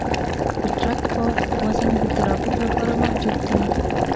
د ټرک بار وزن د ترافیک لپاره محدود دی.